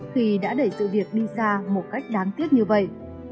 khi đã để sự việc đi xa một cách đáng tiếc như vậy